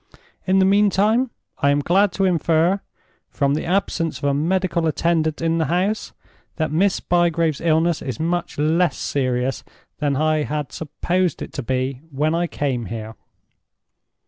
In the meantime I am glad to infer, from the absence of a medical attendant in the house, that Miss Bygrave's illness is much less serious than I had supposed it to be when I came here."